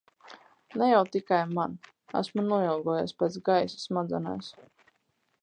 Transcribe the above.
Ne jau tikai man. Esmu noilgojies pēc gaisa smadzenēs.